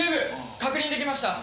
確認できました。